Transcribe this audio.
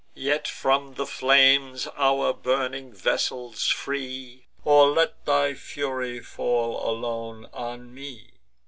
Yet from the flames our burning vessels free, Or let thy fury fall alone on me!